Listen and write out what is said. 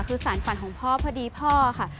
คือสารฝันของพ่อพอดีพ่อค่ะ